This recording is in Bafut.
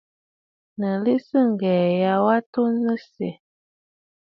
Nɨ̀ lɔꞌɔsə ŋgɔ̀ꞌɔ̀ ya wa ntsù nɨ̀syɛ̀!